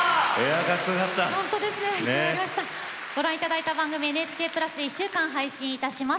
今日ご覧いただいたこの番組は、ＮＨＫプラスで１週間配信いたします。